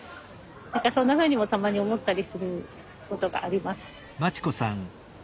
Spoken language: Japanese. そんなふうにもたまに思ったりすることがあります。